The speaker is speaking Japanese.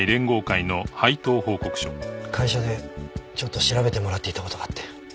会社でちょっと調べてもらっていた事があって。